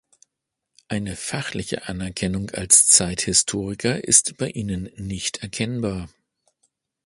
Eine fachliche Anerkennung als Zeithistoriker ist bei ihnen nicht erkennbar.